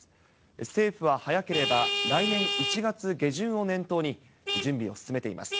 政府は早ければ来年１月下旬を念頭に、準備を進めています。